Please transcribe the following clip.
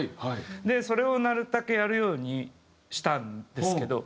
それをなるたけやるようにしたんですけど。